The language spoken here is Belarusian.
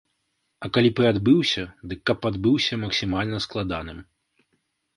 А калі б і адбыўся, дык каб адбыўся максімальна складаным.